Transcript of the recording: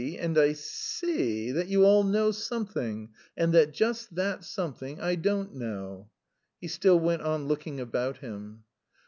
and I see that you all know something, and that just that something I don't know." He still went on looking about him.